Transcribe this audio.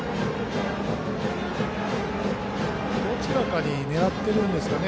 どちらかに狙っているんですかね。